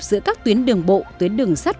giữa các tuyến đường bộ tuyến đường sắt